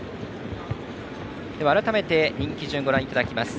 改めて人気順ご覧いただきます。